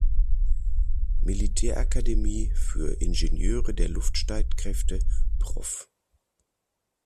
Militärakademie für Ingenieure der Luftstreitkräfte „Prof.